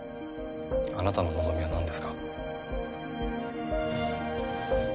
あなたの望みはなんですか？